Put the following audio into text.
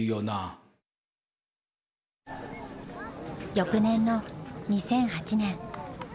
翌年の２００８年。